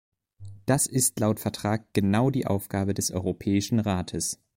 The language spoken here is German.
Das ist laut Vertrag genau die Aufgabe des Europäischen Rates.